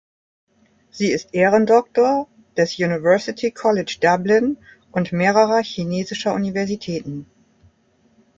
Sie ist Ehrendoktor des University College Dublin und mehrerer chinesischer Universitäten.